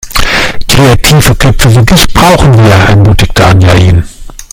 Kreative Köpfe wie dich brauchen wir, ermutigte Anja ihn.